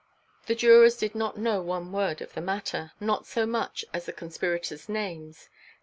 The jurors did not know one word of the matter, not so much as the conspirators' names.